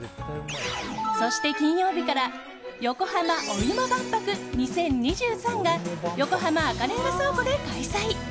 そして金曜日から横浜おいも万博２０２３が横浜赤レンガ倉庫で開催！